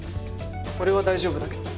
俺は大丈夫だけど。